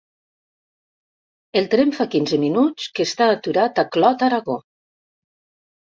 El tren fa quinze minuts que està aturat a Clot-Aragó.